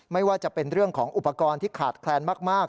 ไม่ว่าจะเป็นเรื่องของอุปกรณ์ที่ขาดแคลนมาก